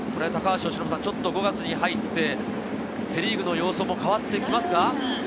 ちょっと５月に入ってセ・リーグの様相も変わってきますか？